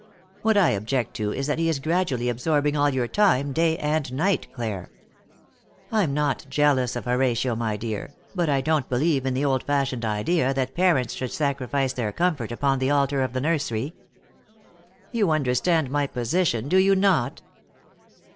What I object to is that he is gradually absorbing all your time, day and night, Clare. I'm not jealous of Horatio, my dear, but I don't believe in the old fashioned idea that parents should sacrifice their comfort upon the altar of the nursery. You understand my position, do you not?"